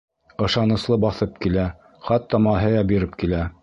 Ышаныслы баҫып килә, хатта маһая биреп килә.